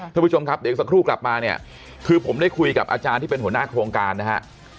ท่านผู้ชมครับเดี๋ยวอีกสักครู่กลับมาเนี่ยคือผมได้คุยกับอาจารย์ที่เป็นหัวหน้าโครงการนะฮะ